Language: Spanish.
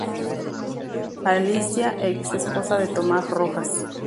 Alicia Ex-esposa de Tomas Rojas.